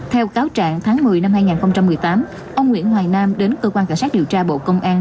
theo cáo trạng tháng một mươi năm hai nghìn một mươi tám ông nguyễn hoài nam đến cơ quan cảnh sát điều tra bộ công an